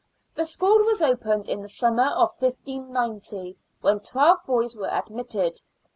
The school was opened in the summer of 1590, when twelve boys were admitted.